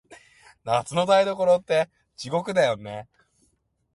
夏の台所って、地獄だよね。